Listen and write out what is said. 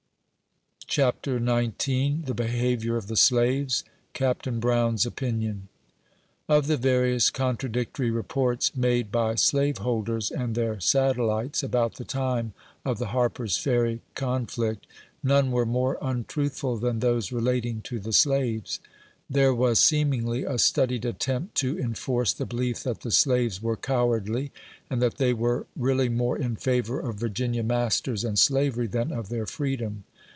THE BEHAVIOR OF THK SLAVES. 59 CHAPTER XIX. THE BEHAVIOR OF THE SLAVES — CAPTAIN BROWN'S OPINION. Of the various contradictory reports made by slaveholders and their satellites about the time of the Harper's Ferry con flict, none were more untruthful than those relating to the slaves. There was seemingly a studied attempt to enforce the belief that the slaves were cowardly, and th;.i/ they were really more in favor of Virginia masters and slavery, than of their freedom.